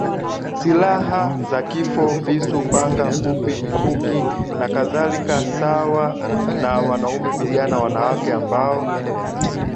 silaha za kifo visu panga fupi mikuki nakadhalika Sawa na wanaume vijana wanawake ambao